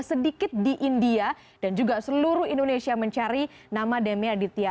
sedikit di india dan juga seluruh indonesia mencari nama demi aditya